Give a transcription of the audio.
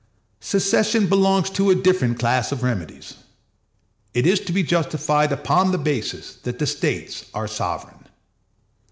Secession belongs to a different class of remedies. It is to be justified upon the basis that the States are sovereign.